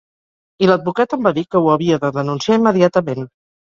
I l’advocat em va dir que ho havia de denunciar immediatament.